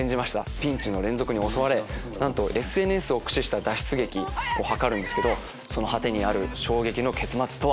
ピンチの連続に襲われＳＮＳを駆使した脱出劇を図るんですけどその果てにある衝撃の結末とは？